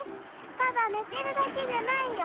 ただねてるだけじゃないよ。